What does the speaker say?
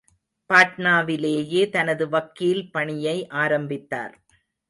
பாட்னாவிலேயே தனது வக்கீல் பணியை ஆரம்பித்தார்.